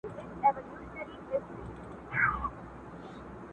مېږي خور که شرمښکۍ ده که مرغان دي!.